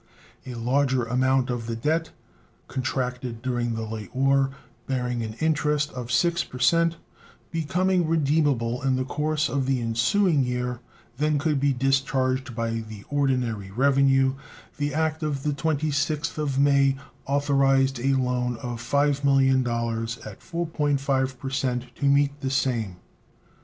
A larger amount of the debt contracted during the late war, bearing an interest of 6%, becoming redeemable in the course of the ensuing year than could be discharged by the ordinary revenue, the act of the 26th of May authorized a loan of $5 millions at 4.5% to meet the same.